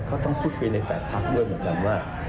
ก็ต้องพูดคุยใน๘พักด้วยเหมือนกันว่า